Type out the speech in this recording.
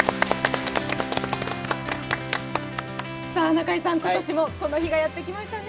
中居さん、今年もこの日がやってきましたね。